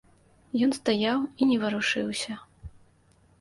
Ён стаяў і не варушыўся.